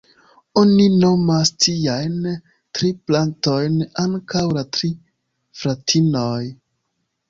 Oni nomas tiajn tri plantojn ankaŭ ""la tri fratinoj"".